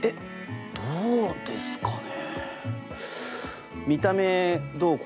どうですかね？